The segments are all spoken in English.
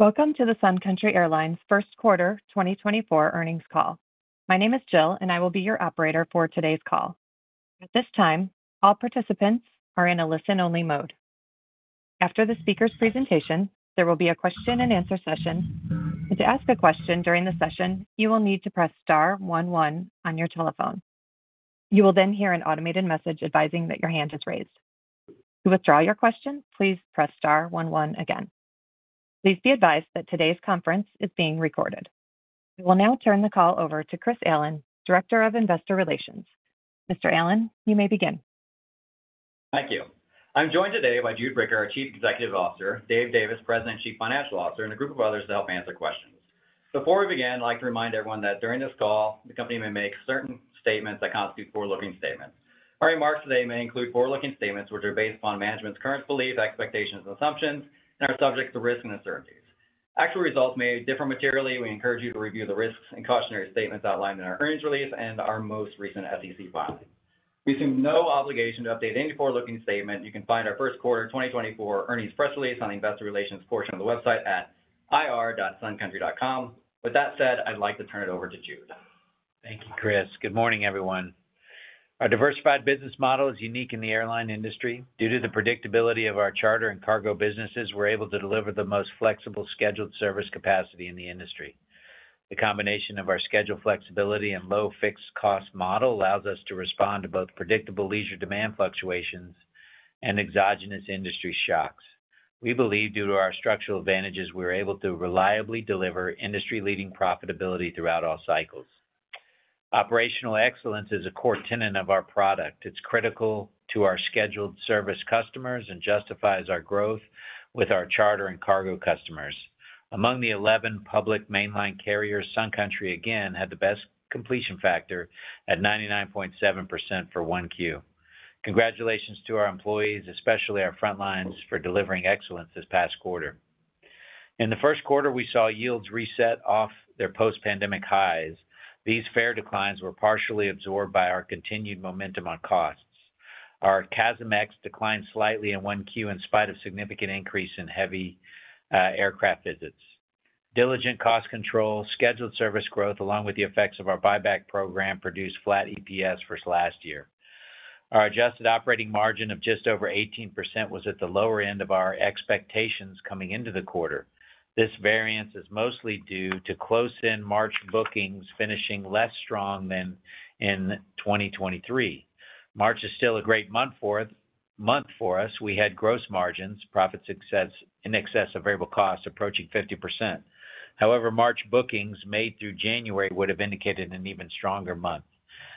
Welcome to the Sun Country Airlines first quarter 2024 earnings call. My name is Jill, and I will be your operator for today's call. At this time, all participants are in a listen-only mode. After the speaker's presentation, there will be a question and answer session. To ask a question during the session, you will need to press star one one on your telephone. You will then hear an automated message advising that your hand is raised. To withdraw your question, please press star one one again. Please be advised that today's conference is being recorded. We will now turn the call over to Chris Allen, Director of Investor Relations. Mr. Allen, you may begin. Thank you. I'm joined today by Jude Bricker, our Chief Executive Officer, Dave Davis, President and Chief Financial Officer, and a group of others to help answer questions. Before we begin, I'd like to remind everyone that during this call, the company may make certain statements that constitute forward-looking statements. Our remarks today may include forward-looking statements, which are based on management's current beliefs, expectations, and assumptions, and are subject to risks and uncertainties. Actual results may differ materially. We encourage you to review the risks and cautionary statements outlined in our earnings release and our most recent SEC filing. We assume no obligation to update any forward-looking statement. You can find our first quarter 2024 earnings press release on the investor relations portion of the website at ir.suncountry.com. With that said, I'd like to turn it over to Jude. Thank you, Chris. Good morning, everyone. Our diversified business model is unique in the airline industry. Due to the predictability of our charter and cargo businesses, we're able to deliver the most flexible scheduled service capacity in the industry. The combination of our schedule flexibility and low-fixed cost model allows us to respond to both predictable leisure demand fluctuations and exogenous industry shocks. We believe due to our structural advantages, we're able to reliably deliver industry-leading profitability throughout all cycles. Operational excellence is a core tenet of our product. It's critical to our scheduled service customers and justifies our growth with our charter and cargo customers. Among the 11 public mainline carriers, Sun Country again had the best completion factor at 99.7% for 1Q. Congratulations to our employees, especially our front lines, for delivering excellence this past quarter. In the first quarter, we saw yields reset off their post-pandemic highs. These fare declines were partially absorbed by our continued momentum on costs. Our CASM-ex declined slightly in 1Q in spite of significant increase in heavy aircraft visits. Diligent cost control, scheduled service growth, along with the effects of our buyback program, produced flat EPS versus last year. Our adjusted operating margin of just over 18% was at the lower end of our expectations coming into the quarter. This variance is mostly due to close-in March bookings finishing less strong than in 2023. March is still a great month for us. We had gross margins, profit success in excess of variable costs approaching 50%. However, March bookings made through January would have indicated an even stronger month.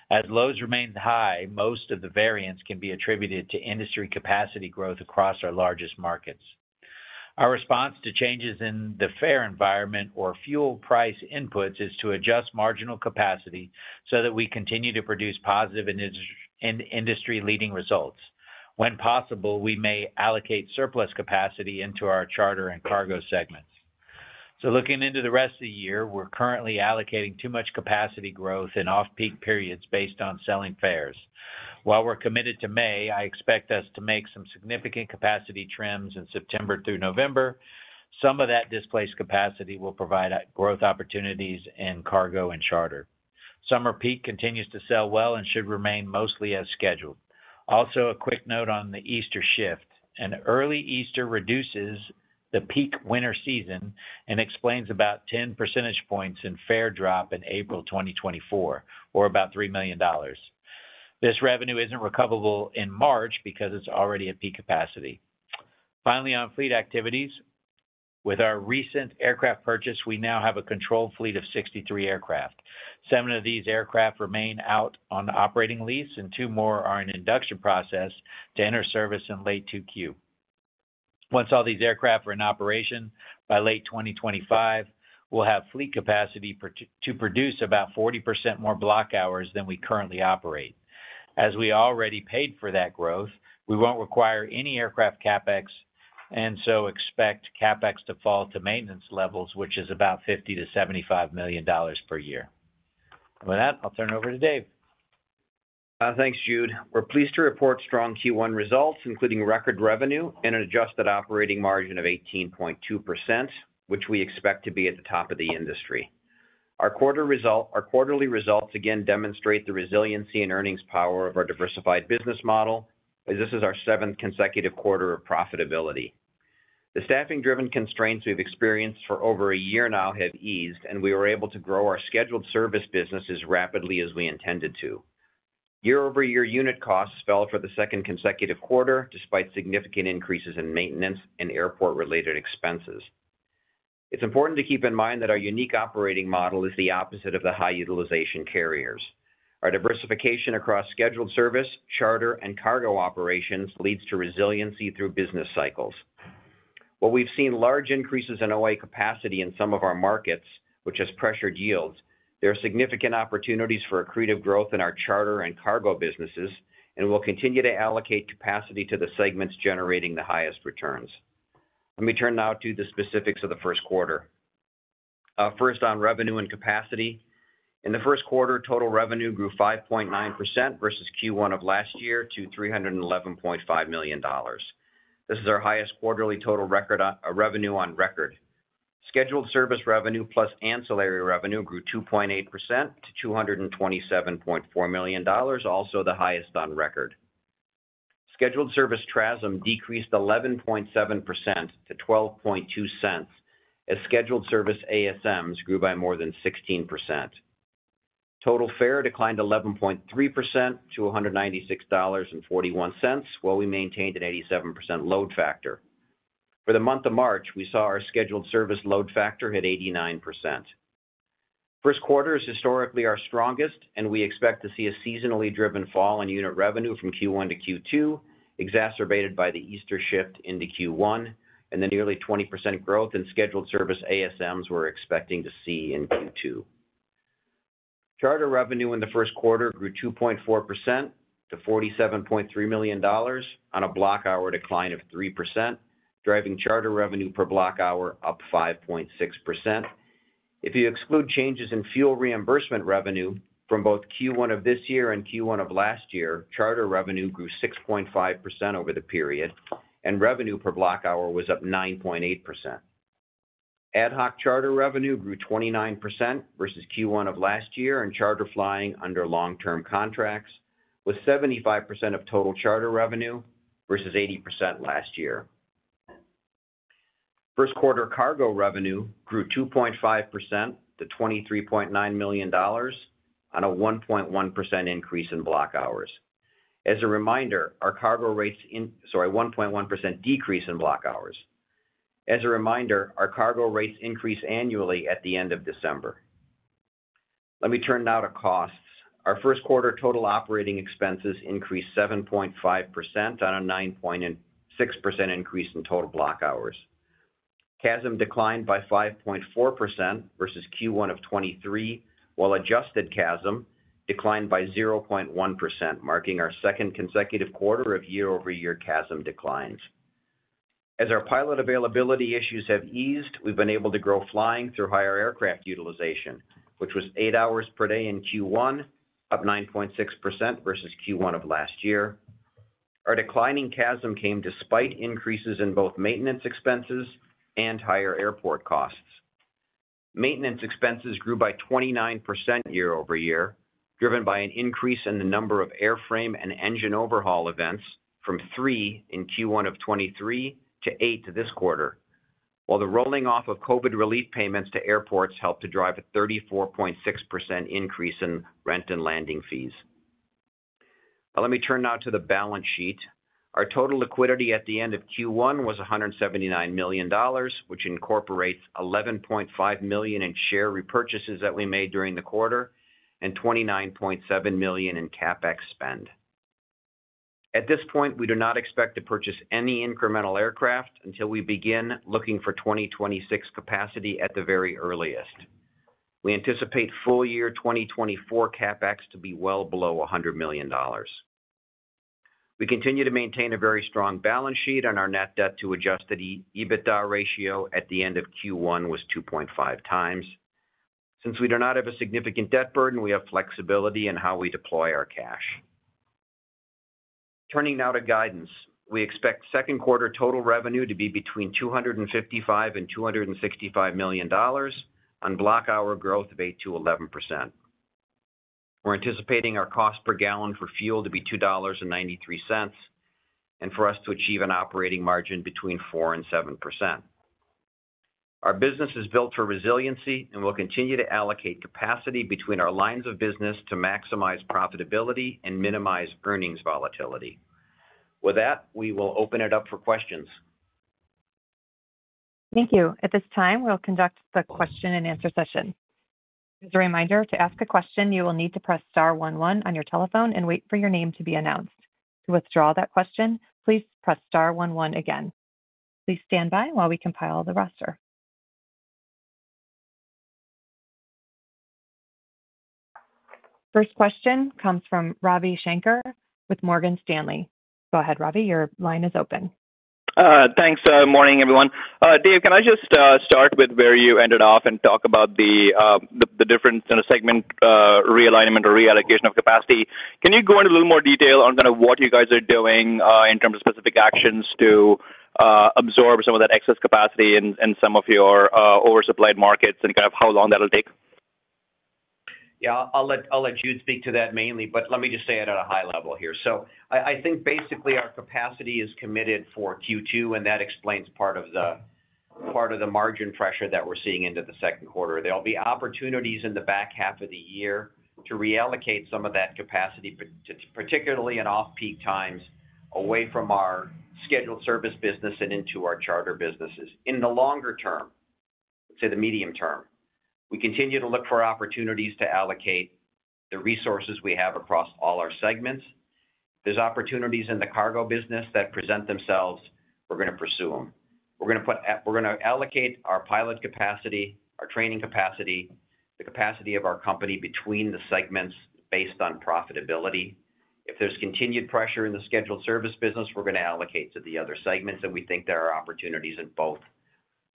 As loads remained high, most of the variance can be attributed to industry capacity growth across our largest markets. Our response to changes in the fare environment or fuel price inputs is to adjust marginal capacity so that we continue to produce positive and industry-leading results. When possible, we may allocate surplus capacity into our charter and cargo segments. So looking into the rest of the year, we're currently allocating too much capacity growth in off-peak periods based on selling fares. While we're committed to May, I expect us to make some significant capacity trims in September through November. Some of that displaced capacity will provide growth opportunities in cargo and charter. Summer peak continues to sell well and should remain mostly as scheduled. Also, a quick note on the Easter shift. An early Easter reduces the peak winter season and explains about 10 percentage points in fare drop in April 2024, or about $3 million. This revenue isn't recoverable in March because it's already at peak capacity. Finally, on fleet activities. With our recent aircraft purchase, we now have a controlled fleet of 63 aircraft. Seven of these aircraft remain out on operating lease, and two more are in induction process to enter service in late 2Q. Once all these aircraft are in operation by late 2025, we'll have fleet capacity pro- to produce about 40% more block hours than we currently operate. As we already paid for that growth, we won't require any aircraft CapEx, and so expect CapEx to fall to maintenance levels, which is about $50-$75 million per year. With that, I'll turn it over to Dave. Thanks, Jude. We're pleased to report strong Q1 results, including record revenue and an adjusted operating margin of 18.2%, which we expect to be at the top of the industry. Our quarterly results again demonstrate the resiliency and earnings power of our diversified business model, as this is our seventh consecutive quarter of profitability. The staffing-driven constraints we've experienced for over a year now have eased, and we were able to grow our scheduled service business as rapidly as we intended to. Year-over-year unit costs fell for the second consecutive quarter, despite significant increases in maintenance and airport-related expenses. It's important to keep in mind that our unique operating model is the opposite of the high-utilization carriers. Our diversification across scheduled service, charter, and cargo operations leads to resiliency through business cycles. While we've seen large increases in OA capacity in some of our markets, which has pressured yields, there are significant opportunities for accretive growth in our charter and cargo businesses, and we'll continue to allocate capacity to the segments generating the highest returns. Let me turn now to the specifics of the first quarter. First on revenue and capacity. In the first quarter, total revenue grew 5.9% versus Q1 of last year to $311.5 million. This is our highest quarterly total record on revenue on record. Scheduled service revenue plus ancillary revenue grew 2.8% to $227.4 million, also the highest on record. Scheduled service TRASM decreased 11.7% to $0.122, as scheduled service ASMs grew by more than 16%. Total fare declined 11.3% to $196.41, while we maintained an 87% load factor. For the month of March, we saw our scheduled service load factor hit 89%. First quarter is historically our strongest, and we expect to see a seasonally driven fall in unit revenue from Q1 to Q2, exacerbated by the Easter shift into Q1, and the nearly 20% growth in scheduled service ASMs we're expecting to see in Q2. Charter revenue in the first quarter grew 2.4% to $47.3 million on a block hour decline of 3%, driving charter revenue per block hour up 5.6%. If you exclude changes in fuel reimbursement revenue from both Q1 of this year and Q1 of last year, charter revenue grew 6.5% over the period, and revenue per block hour was up 9.8%. Ad hoc charter revenue grew 29% versus Q1 of last year, and charter flying under long-term contracts was 75% of total charter revenue versus 80% last year. First quarter cargo revenue grew 2.5% to $23.9 million on a 1.1% decrease in block hours. As a reminder, our cargo rates increase annually at the end of December. Let me turn now to costs. Our first quarter total operating expenses increased 7.5% on a 9.6% increase in total block hours. CASM declined by 5.4% versus Q1 of 2023, while adjusted CASM declined by 0.1%, marking our second consecutive quarter of year-over-year CASM declines. As our pilot availability issues have eased, we've been able to grow flying through higher aircraft utilization, which was 8 hours per day in Q1, up 9.6% versus Q1 of last year. Our declining CASM came despite increases in both maintenance expenses and higher airport costs. Maintenance expenses grew by 29% year-over-year, driven by an increase in the number of airframe and engine overhaul events from three in Q1 of 2023 to eight this quarter, while the rolling off of COVID relief payments to airports helped to drive a 34.6% increase in rent and landing fees. Now, let me turn now to the balance sheet. Our total liquidity at the end of Q1 was $179 million, which incorporates $11.5 million in share repurchases that we made during the quarter and $29.7 million in CapEx spend. At this point, we do not expect to purchase any incremental aircraft until we begin looking for 2026 capacity at the very earliest. We anticipate full year 2024 CapEx to be well below $100 million. We continue to maintain a very strong balance sheet, and our net debt to adjusted EBITDA ratio at the end of Q1 was 2.5x. Since we do not have a significant debt burden, we have flexibility in how we deploy our cash. Turning now to guidance. We expect second quarter total revenue to be between $255 million and $265 million on block hour growth of 8%-11%. We're anticipating our cost per gallon for fuel to be $2.93, and for us to achieve an operating margin between 4% and 7%. Our business is built for resiliency, and we'll continue to allocate capacity between our lines of business to maximize profitability and minimize earnings volatility. With that, we will open it up for questions. Thank you. At this time, we'll conduct the question-and-answer session. As a reminder, to ask a question, you will need to press star one one on your telephone and wait for your name to be announced. To withdraw that question, please press star one one again. Please stand by while we compile the roster. First question comes from Ravi Shanker with Morgan Stanley. Go ahead, Ravi, your line is open. Thanks, morning, everyone. Dave, can I just start with where you ended off and talk about the difference in the segment realignment or reallocation of capacity? Can you go into a little more detail on kind of what you guys are doing in terms of specific actions to absorb some of that excess capacity and some of your oversupplied markets and kind of how long that'll take? Yeah, I'll let Jude speak to that mainly, but let me just say it at a high level here. So I think basically our capacity is committed for Q2, and that explains part of the margin pressure that we're seeing into the second quarter. There'll be opportunities in the back half of the year to reallocate some of that capacity, particularly in off-peak times, away from our scheduled service business and into our charter businesses. In the longer term to the medium term, we continue to look for opportunities to allocate the resources we have across all our segments. If there's opportunities in the cargo business that present themselves, we're going to pursue them. We're going to allocate our pilot capacity, our training capacity, the capacity of our company between the segments based on profitability. If there's continued pressure in the scheduled service business, we're gonna allocate to the other segments, and we think there are opportunities in both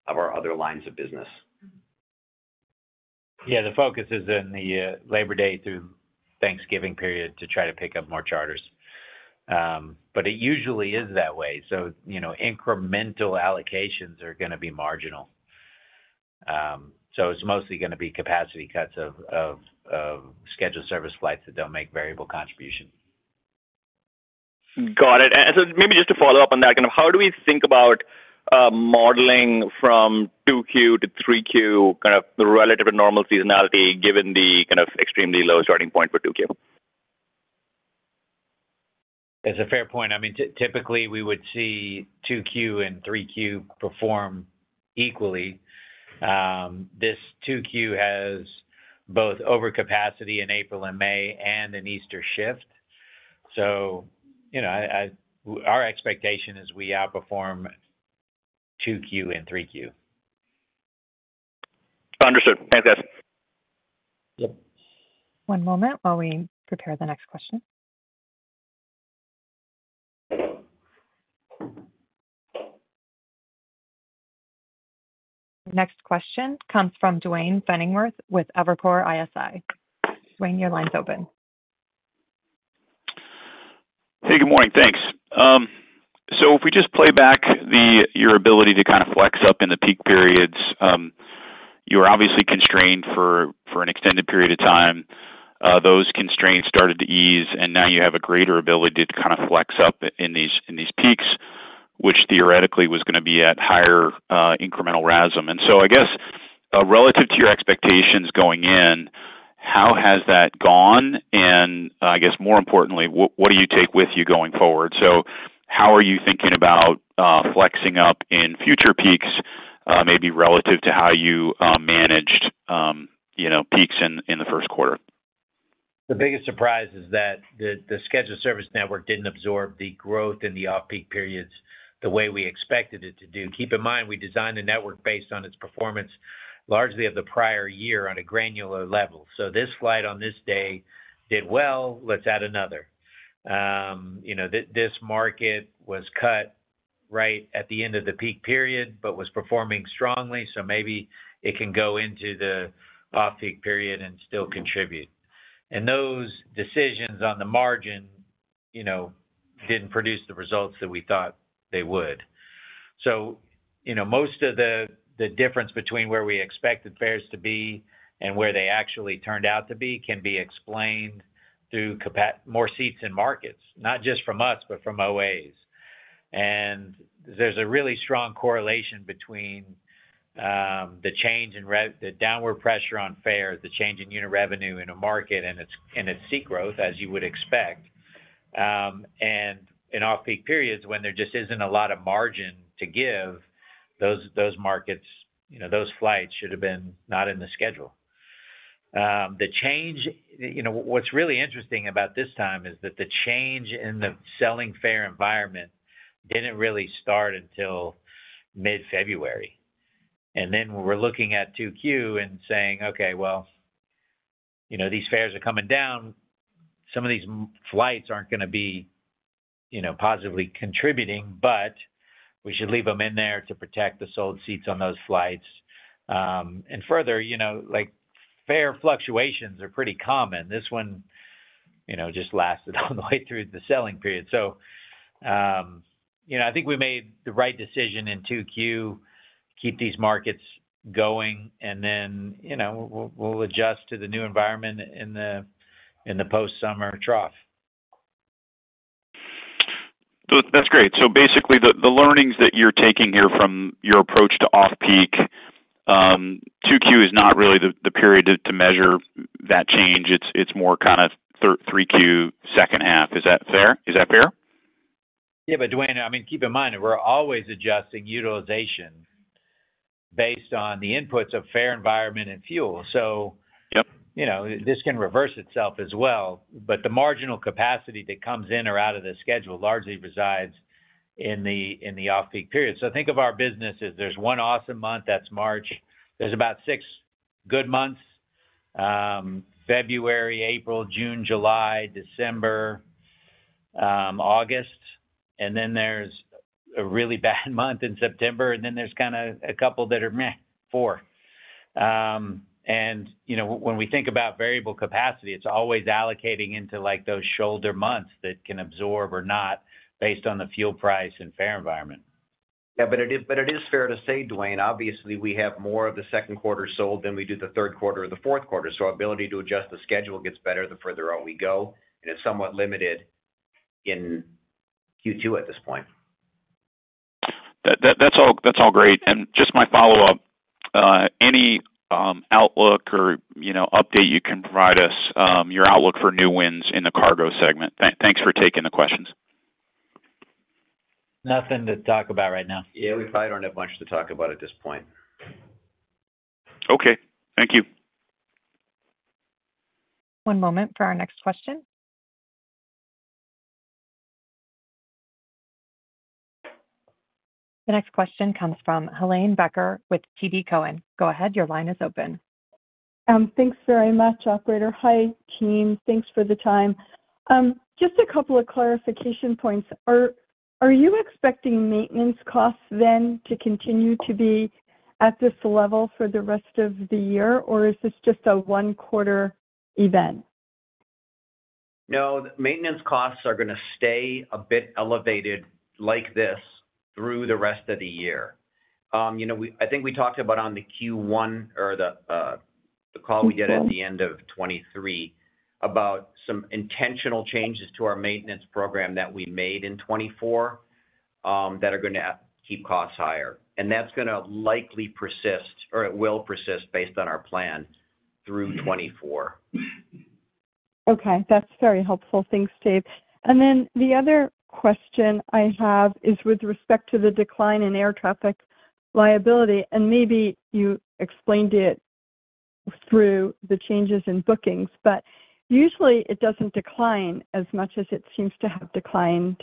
of our other lines of business. Yeah, the focus is in the Labor Day through Thanksgiving period to try to pick up more charters. But it usually is that way, so, you know, incremental allocations are gonna be marginal. So it's mostly gonna be capacity cuts of scheduled service flights that don't make variable contribution. Got it. So maybe just to follow up on that, kind of, how do we think about modeling from 2Q to 3Q, kind of, the relative and normal seasonality, given the kind of extremely low starting point for 2Q? It's a fair point. I mean, typically, we would see 2Q and 3Q perform equally. This 2Q has both overcapacity in April and May, and an Easter shift. So, you know, our expectation is we outperform 2Q and 3Q. Understood. Fantastic. Yep. One moment while we prepare the next question. Next question comes from Duane Pfennigwerth with Evercore ISI. Duane, your line's open. Hey, good morning. Thanks. So if we just play back your ability to kind of flex up in the peak periods, you were obviously constrained for an extended period of time. Those constraints started to ease, and now you have a greater ability to kind of flex up in these peaks, which theoretically was gonna be at higher incremental RASM. And so I guess, relative to your expectations going in, how has that gone? And, I guess more importantly, what do you take with you going forward? So how are you thinking about flexing up in future peaks, maybe relative to how you managed, you know, peaks in the first quarter? The biggest surprise is that the scheduled service network didn't absorb the growth in the off-peak periods the way we expected it to do. Keep in mind, we designed the network based on its performance, largely of the prior year, on a granular level. So this flight on this day did well, let's add another. You know, this market was cut right at the end of the peak period but was performing strongly, so maybe it can go into the off-peak period and still contribute. And those decisions on the margin, you know, didn't produce the results that we thought they would. So, you know, most of the difference between where we expected fares to be and where they actually turned out to be, can be explained through more seats in markets, not just from us, but from OAs. There's a really strong correlation between the change in the downward pressure on fares, the change in unit revenue in a market and its, and its seat growth, as you would expect. In off-peak periods, when there just isn't a lot of margin to give, those, those markets, you know, those flights should have been not in the schedule. The change. You know, what's really interesting about this time is that the change in the selling fare environment didn't really start until mid-February. Then we're looking at 2Q and saying: Okay, well, you know, these fares are coming down. Some of these flights aren't gonna be, you know, positively contributing, but we should leave them in there to protect the sold seats on those flights. Further, you know, like, fare fluctuations are pretty common. This one, you know, just lasted all the way through the selling period. So, you know, I think we made the right decision in 2Q, keep these markets going, and then, you know, we'll adjust to the new environment in the post-summer trough. So that's great. So basically, the learnings that you're taking here from your approach to off-peak, 2Q is not really the period to measure that change. It's more kind of 3Q, second half. Is that fair? Is that fair? Yeah, but Duane, I mean, keep in mind that we're always adjusting utilization based on the inputs of fare environment and fuel, so- Yep. You know, this can reverse itself as well, but the marginal capacity that comes in or out of the schedule largely resides in the off-peak period. So think of our business as there's one awesome month, that's March. There's about six good months, February, April, June, July, December, August, and then there's a really bad month in September, and then there's kind of a couple that are, meh, four. And, you know, when we think about variable capacity, it's always allocating into, like, those shoulder months that can absorb or not based on the fuel price and fare environment. Yeah, but it is, but it is fair to say, Duane, obviously, we have more of the second quarter sold than we do the third quarter or the fourth quarter, so our ability to adjust the schedule gets better the further out we go, and it's somewhat limited in Q2 at this point. That's all great. And just my follow-up: any outlook or, you know, update you can provide us, your outlook for new wins in the cargo segment? Thanks for taking the questions. Nothing to talk about right now. Yeah, we probably don't have much to talk about at this point. Okay, thank you. One moment for our next question. The next question comes from Helane Becker with TD Cowen. Go ahead, your line is open. Thanks very much, operator. Hi, team. Thanks for the time. Just a couple of clarification points. Are you expecting maintenance costs then to continue to be at this level for the rest of the year, or is this just a one-quarter event? No, the maintenance costs are going to stay a bit elevated like this through the rest of the year. You know, I think we talked about on the Q1 or the call we did at the end of 2023, about some intentional changes to our maintenance program that we made in 2024, that are gonna keep costs higher, and that's gonna likely persist, or it will persist, based on our plan, through 2024. Okay, that's very helpful. Thanks, Dave. And then the other question I have is with respect to the decline in air traffic liability, and maybe you explained it through the changes in bookings, but usually, it doesn't decline as much as it seems to have declined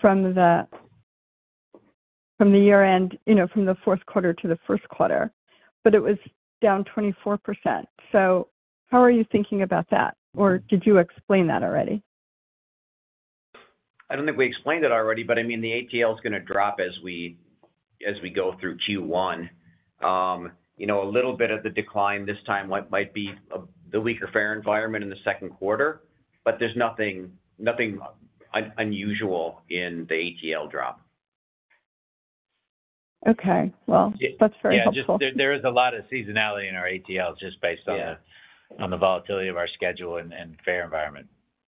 from the, from the year-end, you know, from the fourth quarter to the first quarter, but it was down 24%. So how are you thinking about that, or did you explain that already? I don't think we explained it already, but I mean, the ATL is gonna drop as we go through Q1. You know, a little bit of the decline this time might be the weaker fare environment in the second quarter, but there's nothing unusual in the ATL drop. Okay. Well, that's very helpful. Yeah, just there, there is a lot of seasonality in our ATL just based on the- Yeah... on the volatility of our schedule and fare environment.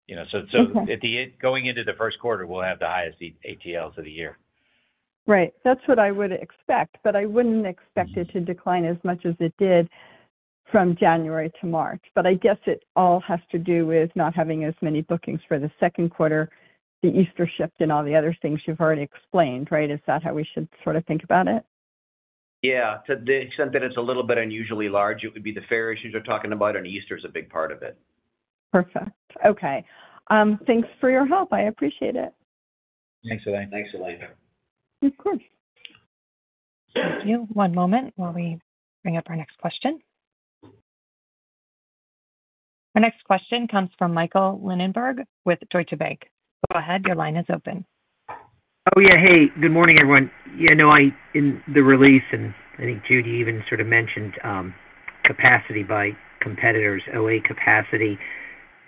You know, so- Mm-hmm... so at the end, going into the first quarter, we'll have the highest ATLs of the year. Right. That's what I would expect, but I wouldn't expect it to decline as much as it did from January to March. But I guess it all has to do with not having as many bookings for the second quarter, the Easter Shift and all the other things you've already explained, right? Is that how we should sort of think about it? Yeah, to the extent that it's a little bit unusually large, it would be the fare issues you're talking about, and Easter is a big part of it. Perfect. Okay. Thanks for your help. I appreciate it. Thanks, Helane. Thanks, Helane. Of course. Thank you. One moment while we bring up our next question. Our next question comes from Michael Linenberg with Deutsche Bank. Go ahead. Your line is open. Oh, yeah. Hey, good morning, everyone. Yeah, no, I in the release, and I think Jude even sort of mentioned, capacity by competitors, OA capacity.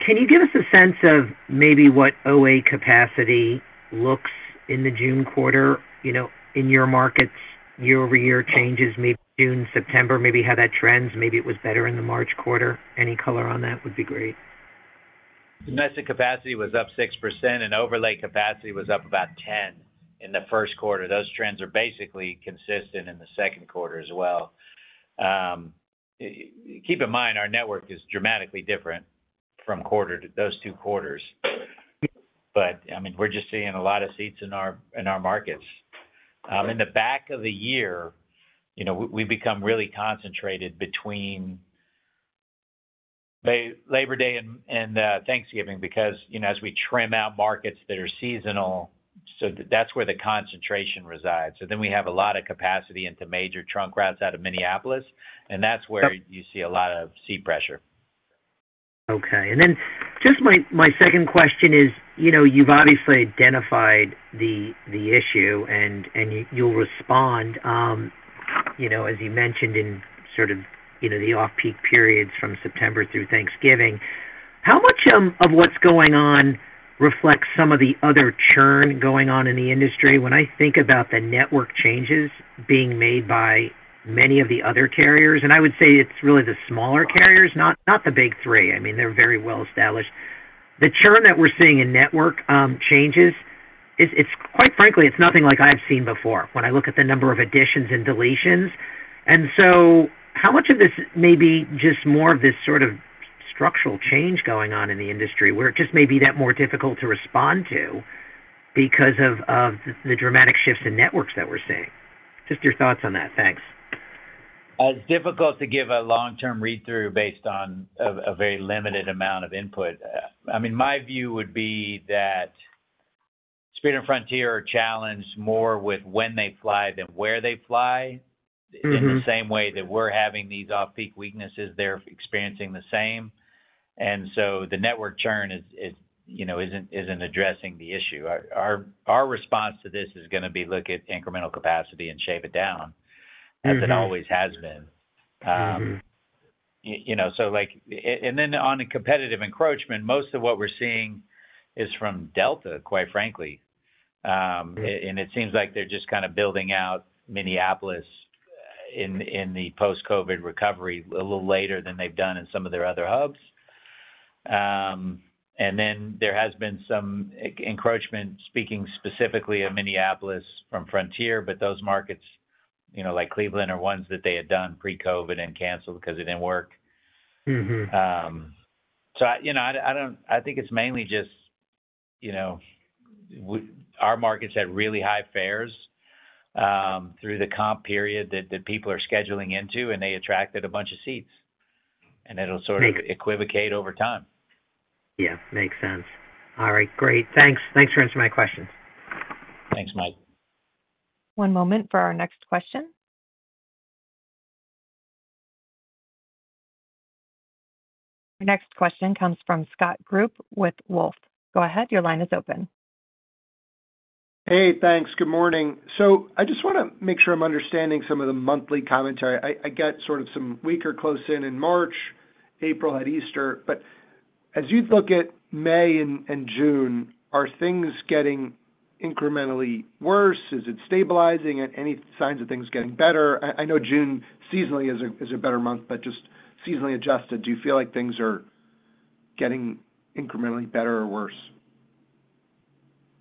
Can you give us a sense of maybe what OA capacity looks like in the June quarter, you know, in your markets, year-over-year changes, maybe June, September, maybe how that trends, maybe it was better in the March quarter? Any color on that would be great. Domestic capacity was up 6%, and overlay capacity was up about 10% in the first quarter. Those trends are basically consistent in the second quarter as well. Keep in mind, our network is dramatically different from quarter to those two quarters. But, I mean, we're just seeing a lot of seats in our markets. In the back of the year, you know, we become really concentrated between Labor Day and Thanksgiving because, you know, as we trim out markets that are seasonal, so that's where the concentration resides. So then we have a lot of capacity into major trunk routes out of Minneapolis, and that's where you see a lot of seat pressure. Okay. And then just my second question is, you know, you've obviously identified the issue, and you'll respond, you know, as you mentioned in sort of, you know, the off-peak periods from September through Thanksgiving. How much of what's going on reflects some of the other churn going on in the industry? When I think about the network changes being made by many of the other carriers, and I would say it's really the smaller carriers, not the big three, I mean, they're very well-established. The churn that we're seeing in network changes, it's quite frankly nothing like I've seen before, when I look at the number of additions and deletions. So how much of this may be just more of this sort of structural change going on in the industry, where it just may be that more difficult to respond to because of the dramatic shifts in networks that we're seeing? Just your thoughts on that. Thanks. It's difficult to give a long-term read-through based on a very limited amount of input. I mean, my view would be that Spirit and Frontier are challenged more with when they fly than where they fly. Mm-hmm. In the same way that we're having these off-peak weaknesses, they're experiencing the same. And so the network churn is, you know, isn't addressing the issue. Our response to this is gonna be look at incremental capacity and shave it down- Mm-hmm.... as it always has been. Mm-hmm. You know, so like, and then on a competitive encroachment, most of what we're seeing is from Delta, quite frankly. Mm-hmm. And it seems like they're just kind of building out Minneapolis in the post-COVID recovery a little later than they've done in some of their other hubs. Then there has been some encroachment, speaking specifically of Minneapolis from Frontier, but those markets, you know, like Cleveland, are ones that they had done pre-COVID and canceled because it didn't work. Mm-hmm. So I, you know, I don't, I think it's mainly just, you know, our markets had really high fares through the comp period that people are scheduling into, and they attracted a bunch of seats, and it'll sort of- Mm-hmm... equivocate over time.... Yeah, makes sense. All right, great. Thanks. Thanks for answering my questions. Thanks, Mike. One moment for our next question. Your next question comes from Scott Group with Wolfe. Go ahead, your line is open. Hey, thanks. Good morning. So I just wanna make sure I'm understanding some of the monthly commentary. I get sort of some weaker close-in in March, April had Easter, but as you look at May and June, are things getting incrementally worse? Is it stabilizing? Any signs of things getting better? I know June seasonally is a better month, but just seasonally adjusted, do you feel like things are getting incrementally better or worse?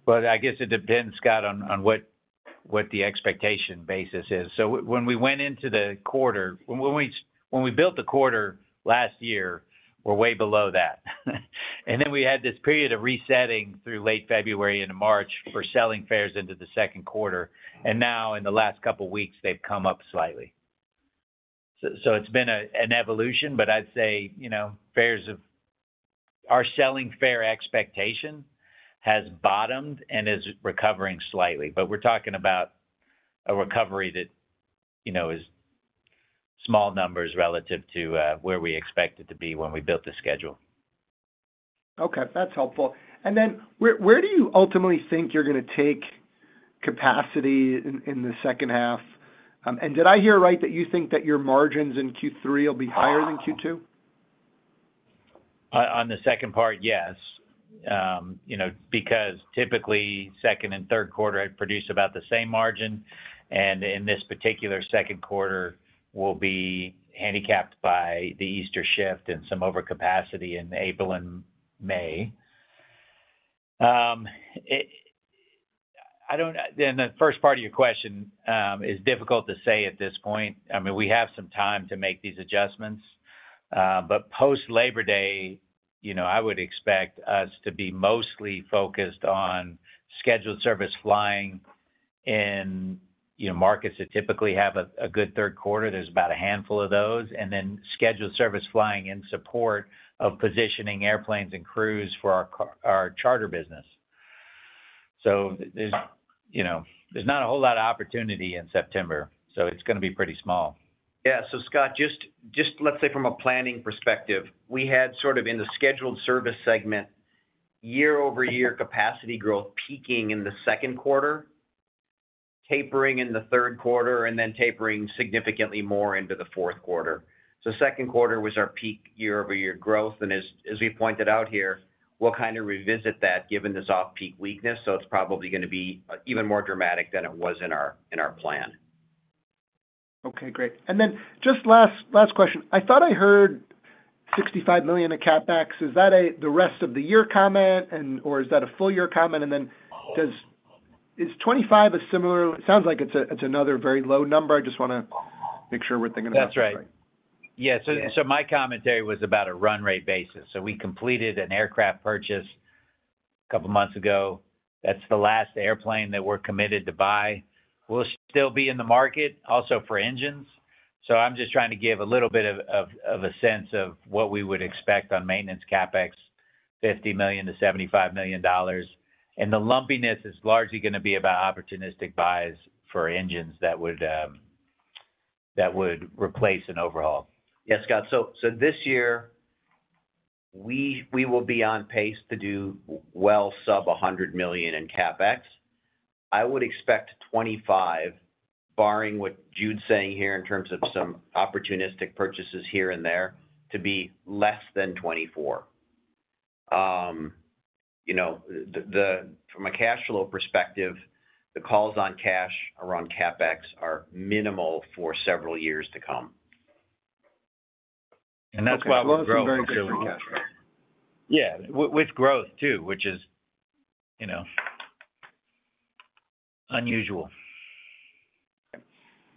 Well, I guess it depends, Scott, on what the expectation basis is. So when we went into the quarter, when we built the quarter last year, we're way below that. And then we had this period of resetting through late February into March for selling fares into the second quarter, and now in the last couple weeks, they've come up slightly. So it's been an evolution, but I'd say, you know, fares, our selling fare expectation has bottomed and is recovering slightly. But we're talking about a recovery that, you know, is small numbers relative to where we expect it to be when we built the schedule. Okay, that's helpful. And then where do you ultimately think you're gonna take capacity in the second half? And did I hear right that you think that your margins in Q3 will be higher than Q2? On the second part, yes. You know, because typically, second and third quarter produce about the same margin, and in this particular second quarter will be handicapped by the Easter shift and some overcapacity in April and May. And the first part of your question is difficult to say at this point. I mean, we have some time to make these adjustments, but post Labor Day, you know, I would expect us to be mostly focused on scheduled service flying in, you know, markets that typically have a good third quarter. There's about a handful of those, and then scheduled service flying in support of positioning airplanes and crews for our charter business. So there's, you know, there's not a whole lot of opportunity in September, so it's gonna be pretty small. Yeah, so Scott, just let's say from a planning perspective, we had sort of in the scheduled service segment, year-over-year capacity growth peaking in the second quarter, tapering in the third quarter, and then tapering significantly more into the fourth quarter. So second quarter was our peak year-over-year growth, and as we pointed out here, we'll kind of revisit that given this off-peak weakness, so it's probably gonna be even more dramatic than it was in our plan. Okay, great. And then just last, last question. I thought I heard $65 million in CapEx. Is that a, the rest of the year comment, and or is that a full year comment? And then does— is 25 a similar— it sounds like it's a, it's another very low number. I just wanna make sure we're thinking about it right. That's right. Yeah, so, so my commentary was about a run rate basis. So we completed an aircraft purchase a couple months ago. That's the last airplane that we're committed to buy. We'll still be in the market also for engines, so I'm just trying to give a little bit of, of a sense of what we would expect on maintenance CapEx, $50 million-$75 million. And the lumpiness is largely gonna be about opportunistic buys for engines that would, that would replace an overhaul. Yeah, Scott, so this year, we will be on pace to do well sub $100 million in CapEx. I would expect 2025, barring what Jude's saying here, in terms of some opportunistic purchases here and there, to be less than 2024. You know, from a cash flow perspective, the calls on cash around CapEx are minimal for several years to come. That's why we've grown very carefully. Okay, well, it's been very good for cash flow. Yeah, with growth, too, which is, you know, unusual.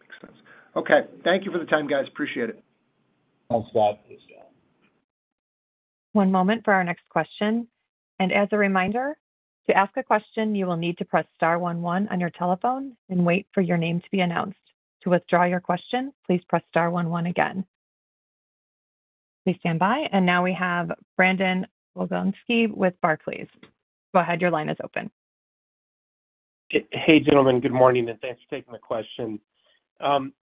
Makes sense. Okay, thank you for the time, guys. Appreciate it. Thanks, Scott. One moment for our next question. As a reminder, to ask a question, you will need to press star one one on your telephone and wait for your name to be announced. To withdraw your question, please press star one one again. Please stand by. Now we have Brandon Oglenski with Barclays. Go ahead, your line is open. Hey, gentlemen, good morning, and thanks for taking the question.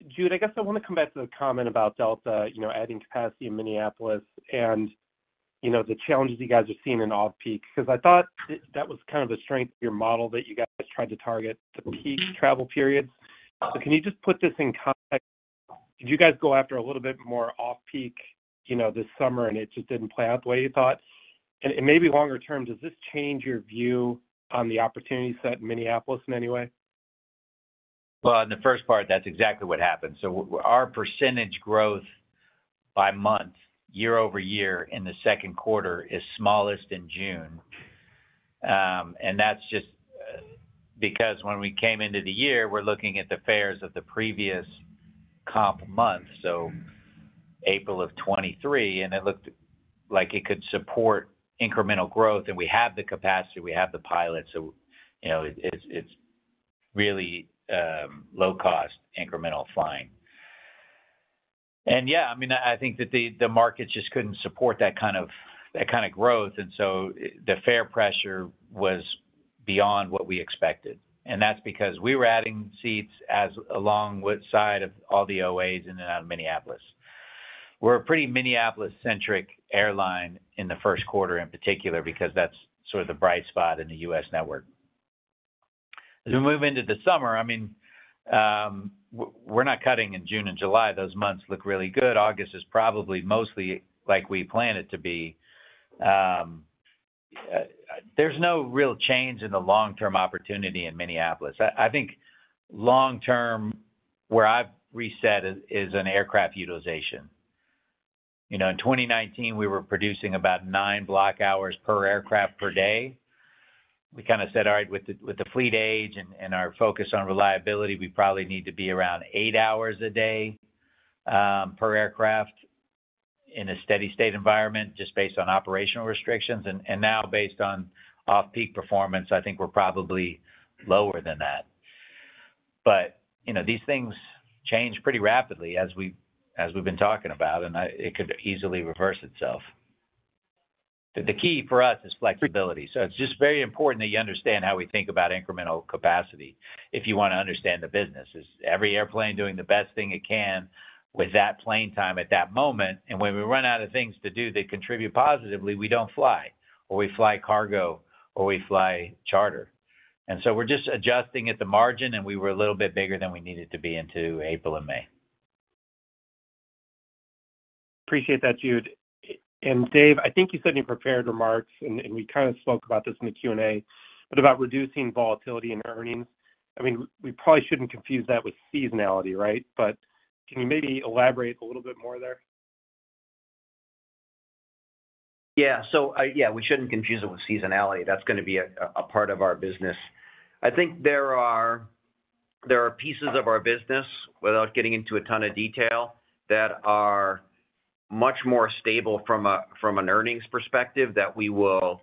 Jude, I guess I want to come back to the comment about Delta, you know, adding capacity in Minneapolis and, you know, the challenges you guys are seeing in off-peak, because I thought that was kind of the strength of your model, that you guys tried to target the peak travel periods. So can you just put this in context? Did you guys go after a little bit more off-peak, you know, this summer, and it just didn't play out the way you thought? And maybe longer term, does this change your view on the opportunity set in Minneapolis in any way? Well, in the first part, that's exactly what happened. So our percentage growth by month, year-over-year, in the second quarter, is smallest in June. And that's just because when we came into the year, we're looking at the fares of the previous comp month, so April of 2023, and it looked like it could support incremental growth, and we have the capacity, we have the pilots, so you know, it's really low cost incremental flying. And yeah, I mean, I think that the market just couldn't support that kind of growth, and so the fare pressure was beyond what we expected. And that's because we were adding seats alongside all the OAs in and out of Minneapolis. We're a pretty Minneapolis-centric airline in the first quarter, in particular, because that's sort of the bright spot in the U.S. network. As we move into the summer, I mean, we're not cutting in June and July. Those months look really good. August is probably mostly like we planned it to be. There's no real change in the long-term opportunity in Minneapolis. I think long-term, where I've reset is on aircraft utilization. You know, in 2019, we were producing about 9 block hours per aircraft per day. We kind of said, "All right, with the fleet age and our focus on reliability, we probably need to be around 8 hours a day per aircraft in a steady state environment, just based on operational restrictions." And now based on off-peak performance, I think we're probably lower than that. But, you know, these things change pretty rapidly as we, as we've been talking about, and it could easily reverse itself. The key for us is flexibility. So it's just very important that you understand how we think about incremental capacity if you want to understand the business. Is every airplane doing the best thing it can with that plane time at that moment? And when we run out of things to do that contribute positively, we don't fly, or we fly cargo, or we fly charter. And so we're just adjusting at the margin, and we were a little bit bigger than we needed to be into April and May. Appreciate that, Jude. And, Dave, I think you said in your prepared remarks, and we kind of spoke about this in the Q&A, but about reducing volatility in earnings. I mean, we probably shouldn't confuse that with seasonality, right? But can you maybe elaborate a little bit more there? Yeah. So, yeah, we shouldn't confuse it with seasonality. That's gonna be a part of our business. I think there are pieces of our business, without getting into a ton of detail, that are much more stable from an earnings perspective, that we will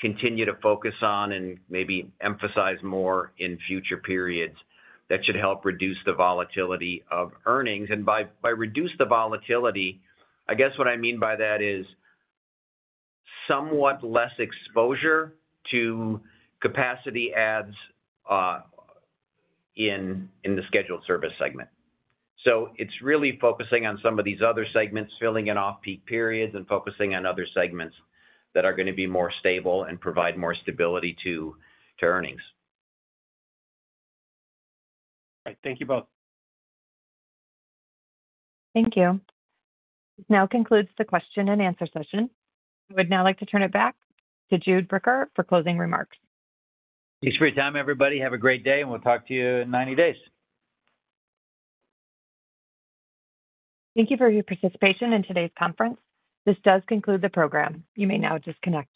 continue to focus on and maybe emphasize more in future periods that should help reduce the volatility of earnings. And by reduce the volatility, I guess what I mean by that is somewhat less exposure to capacity adds in the scheduled service segment. So it's really focusing on some of these other segments, filling in off-peak periods, and focusing on other segments that are gonna be more stable and provide more stability to earnings. All right. Thank you both. Thank you. This now concludes the question and answer session. I would now like to turn it back to Jude Bricker for closing remarks. Thanks for your time, everybody. Have a great day, and we'll talk to you in 90 days. Thank you for your participation in today's conference. This does conclude the program. You may now disconnect.